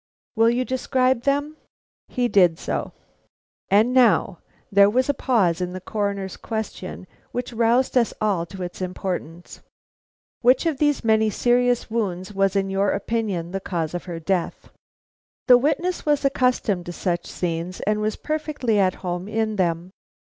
"Will you describe them?" He did so. "And now" there was a pause in the Coroner's question which roused us all to its importance, "which of these many serious wounds was in your opinion the cause of her death?" The witness was accustomed to such scenes, and was perfectly at home in them.